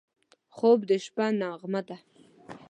خوب د شپه نغمه ده